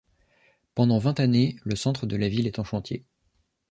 Pendant vingt années, le centre de la ville est en chantier.